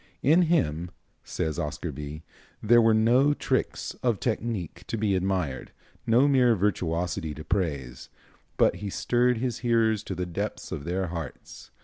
"In him," says Oscar Bie, "there were no tricks of technique to be admired, no mere virtuosity to praise; but he stirred his hearers to the depths of their hearts.